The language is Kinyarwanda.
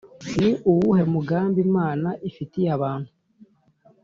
Ni uwuhe mugambi Imana ifitiye abantu